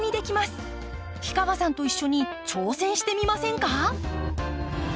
氷川さんと一緒に挑戦してみませんか？